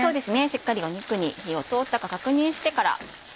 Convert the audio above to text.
しっかり肉に火が通ったか確認してから。